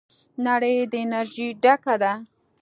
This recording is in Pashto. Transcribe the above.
نړۍ د انرژۍ ډکه ده.